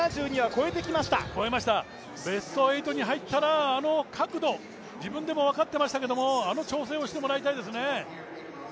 越えました、ベスト８に入ったら、あの角度、自分でも分かっていましたけど、あの挑戦をしてもらいたいですね。